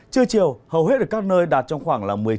trưa chiều hầu hết ở các nơi đạt trong khoảng